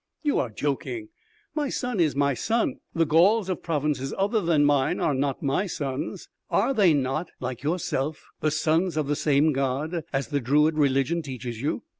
"You are joking. My son is my son.... The Gauls of provinces other than mine are not my sons!" "Are they not, like yourself, the sons of the same god, as the druid religion teaches you?